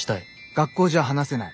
「学校じゃ話せない。